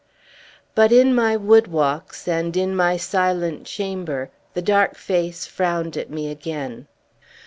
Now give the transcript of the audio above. But in my wood walks, and in my silent chamber, the dark face frowned at me again.